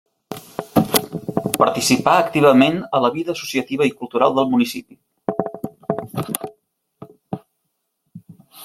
Participà activament a la vida associativa i cultural del municipi.